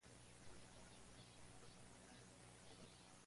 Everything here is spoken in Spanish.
¿Cuánto tiempo tomó para estructurar la Constitución?